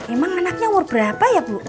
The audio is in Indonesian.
emang anaknya umur berapa ya bu